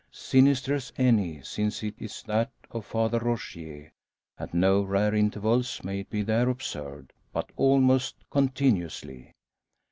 Sinister as any; since it is that of Father Rogier. At no rare intervals may it be there observed; but almost continuously.